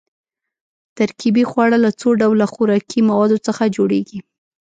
ترکیبي خواړه له څو ډوله خوراکي موادو څخه جوړیږي.